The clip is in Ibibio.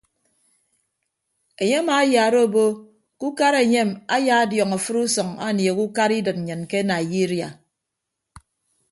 Enye amaayaara obo ke ukara enyem ayaadiọñ afịt usʌñ anieehe ukara idịt nnyịn ke naiyiria.